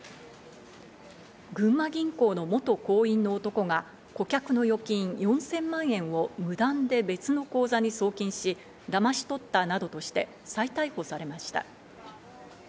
群馬銀行の元行員の男が顧客の預金４０００万円を無断で別の口座に送金し、だまし取ったなどとして再逮捕されました。